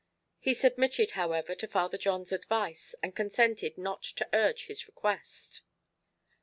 He submitted, however, to Father John's advice, and consented not to urge his request.